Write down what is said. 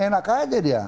enak aja dia